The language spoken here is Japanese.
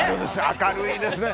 明るいですね。